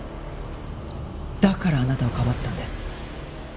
だからあなたをかばったんです。